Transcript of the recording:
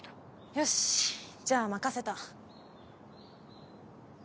よしじゃあ任せた。